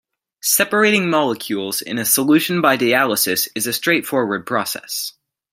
Separating molecules in a solution by dialysis is a straightforward process.